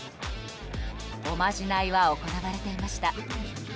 おまじないは行われていました。